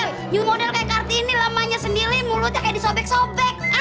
ini model kayak kartini lamanya sendiri mulutnya kayak disobek sobek